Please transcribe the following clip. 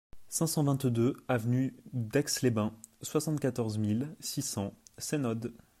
cinq cent vingt-deux avenue d'Aix les Bains, soixante-quatorze mille six cents Seynod